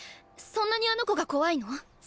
そんなにあの子が怖いの？